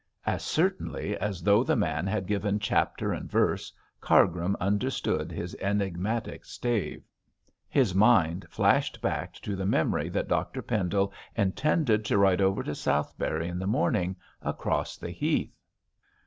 As certainly as though the man had given chapter and verse, Cargrim understood his enigmatic stave. His mind flashed back to the memory that Dr Pendle intended to ride over to Southberry in the morning, across the heath.